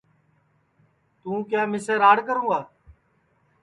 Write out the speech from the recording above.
توں کیا مِسے راڑ کروں گا